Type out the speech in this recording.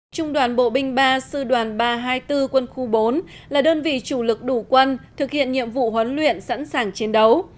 trung đoàn bộ binh ba sư đoàn ba trăm hai mươi bốn quân khu bốn là đơn vị chủ lực đủ quân thực hiện nhiệm vụ huấn luyện sẵn sàng chiến đấu